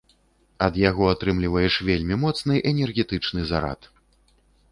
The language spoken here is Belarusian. Ад яго атрымліваеш вельмі моцны энергетычны зарад.